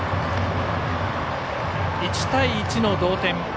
１対１の同点。